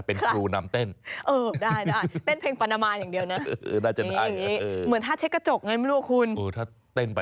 เป็นครูนำเต้น